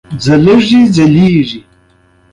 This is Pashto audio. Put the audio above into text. هغوی د یوې پرېکړې جرئت ونه کړ.